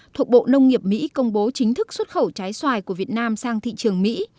thuộc bộ nông nghiệp mỹ công bố chính thức xuất khẩu trái xoài của việt nam sang thị trường mỹ